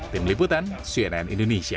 tim liputan cnn indonesia